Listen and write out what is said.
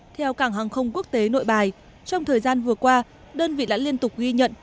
theo cảng hàng không quốc tế nội bài trong thời gian vừa qua đơn vị đã liên tục ghi nhận